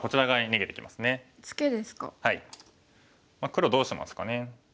黒どうしますかね。